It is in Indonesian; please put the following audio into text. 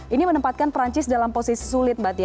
ini menempatkan perancis dalam posisi sulit mbak tia